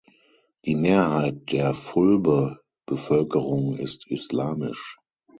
Die Mehrheit der Fulbe-Bevölkerung ist islamisch.